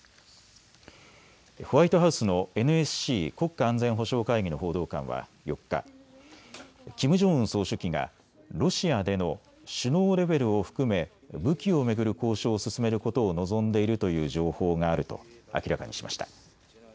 ホワイトハウスのＮＳＣ・国家安全保障会議の報道官は４日、キム・ジョンウン総書記がロシアでの首脳レベルを含め武器を巡る交渉を進めることを望んでいるという情報があると明らかにしました。